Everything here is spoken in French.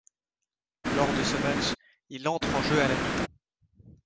Lors de ce match, il entre en jeu à la mi-temps.